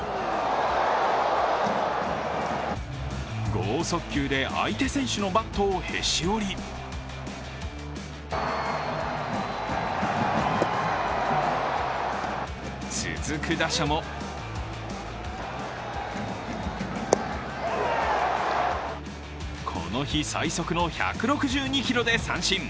剛速球で相手選手のバットをへし折り続く打者もこの日最速の１６２キロで三振。